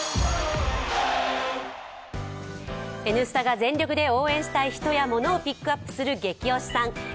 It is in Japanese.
「Ｎスタ」が全力で応援したい、人や者をピックアップするゲキ推しさんです。